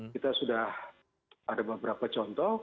kita sudah ada beberapa contoh